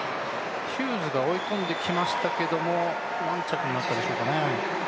ヒューズが追い込んできましたけども何着になったでしょうかね。